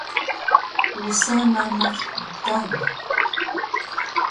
usa nanaq mkan!